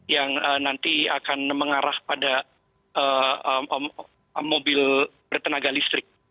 yang nanti akan mengarah pada mobil bertenaga listrik